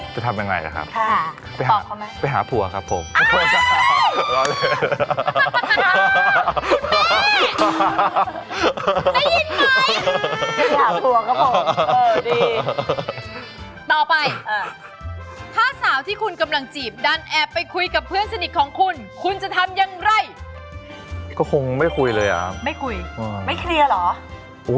จะไปไหนจ้ะน้องชายจะทำอย่างไรโอ้โฮ